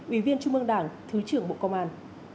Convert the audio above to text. ủy viên trung mương đảng thứ trưởng bộ công an